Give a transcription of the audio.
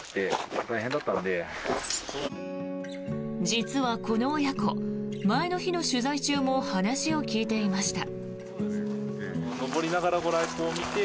実はこの親子前の日の取材中も話を聞いていました。